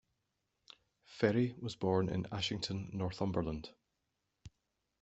Ferrie was born in Ashington, Northumberland.